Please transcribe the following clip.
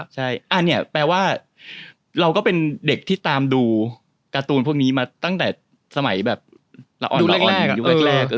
ใช่อันนี้แปลว่าเราก็เป็นเด็กที่ตามดูการ์ตูนพวกนี้มาตั้งแต่สมัยแบบละออนแรกยุคแรก